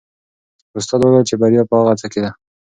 استاد وویل چې بریا په هڅه کې ده.